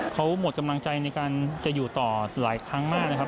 เขาหมดกำลังใจในการจะอยู่ต่อหลายครั้งมากนะครับ